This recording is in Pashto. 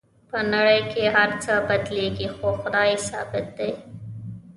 په نړۍ کې هر څه بدلیږي خو خدای ثابت دی